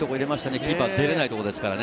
キーパー出れないところですからね。